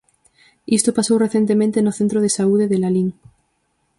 Isto pasou recentemente no centro de saúde de Lalín.